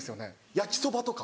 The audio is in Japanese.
焼きそばとか。